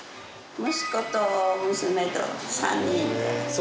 息子と娘と３人で。